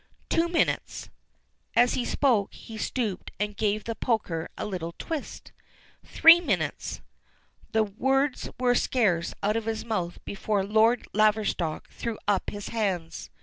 "Two minutes!" As he spoke he stooped and gave the poker a little twist. "Three minutes!" The words were scarce out of his mouth before Lord Laverstock threw up his hands.